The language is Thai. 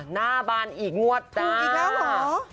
หน้าบานอีกงวดแต่อีกแล้วเหรอ